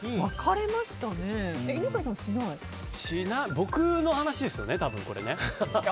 僕の話ですよね、多分これね。